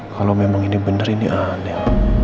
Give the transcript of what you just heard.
kalau memang ini bener ini aneh